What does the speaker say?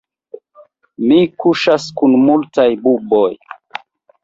Mi kuŝas kun multaj buboj.